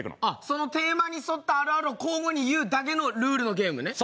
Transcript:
そのテーマに沿ったあるあるを交互に言うだけのルールのゲームね。